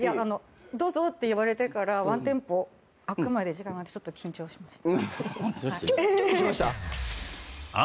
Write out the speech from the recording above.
「どうぞ」って言われてからワンテンポ開くまで時間があってちょっと緊張しました。